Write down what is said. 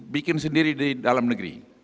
bikin sendiri di dalam negeri